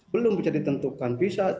belum bisa ditentukan